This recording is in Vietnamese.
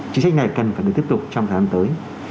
chính sách này cần phải được tiếp tục trong tháng tới